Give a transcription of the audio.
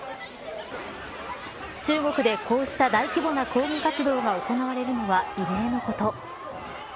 中国で、こうした大規模な抗議活動が行われるのは異例のこと。